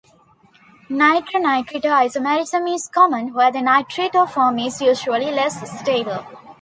Nitro-nitrito isomerism is common, where the nitrito form is usually less stable.